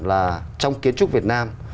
là trong kiến trúc việt nam